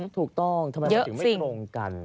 ถูกต้องเยอะสิทำไมถึงไม่ตรงกัน